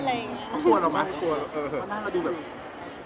เขากลัวเรามั้ย